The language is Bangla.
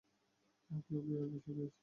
কেউ কেউ এর বেশিও বলেছেন।